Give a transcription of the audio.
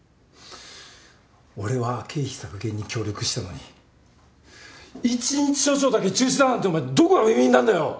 俺は経費削減に協力したのに１日署長だけ中止だなんてお前どこがウィンウィンなんだよ！